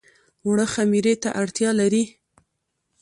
اوړه خمیر ته اړتيا لري